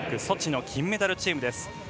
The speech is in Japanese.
ソチの金メダルチームです。